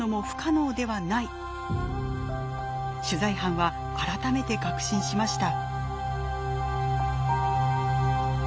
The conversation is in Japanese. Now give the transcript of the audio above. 取材班は改めて確信しました。